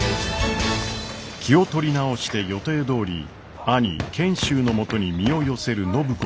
気を取り直して予定どおり兄賢秀のもとに身を寄せる暢子でしたが。